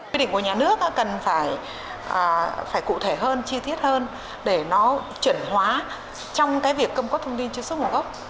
quyết định của nhà nước cần phải cụ thể hơn chi tiết hơn để nó chuẩn hóa trong cái việc cung cấp thông tin chứng xuất một gốc